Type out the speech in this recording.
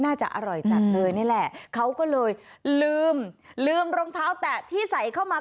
น่าจะอร่อยจัดเลยนี่แหละเขาก็เลยลืมลืมรองเท้าแตะที่ใส่เข้ามา